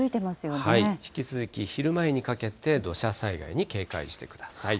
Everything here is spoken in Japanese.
引き続き、昼前にかけて、土砂災害に警戒してください。